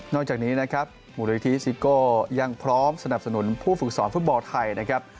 จากนี้นะครับมูลนิธิซิโก้ยังพร้อมสนับสนุนผู้ฝึกสอนฟุตบอลไทยนะครับ